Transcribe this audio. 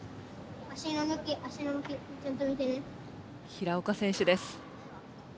平岡選手です。